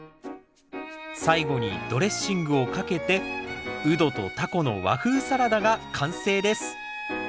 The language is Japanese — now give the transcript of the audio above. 最後にドレッシングをかけてウドとタコの和風サラダが完成です